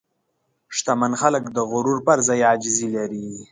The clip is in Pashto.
شتمن خلک د غرور پر ځای عاجزي لري.